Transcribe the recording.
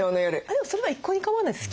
でもそれは一向に構わないです。